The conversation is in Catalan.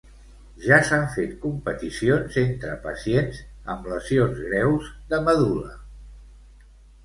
Ja s'han fet competicions entre pacients amb lesions greus de medul·la.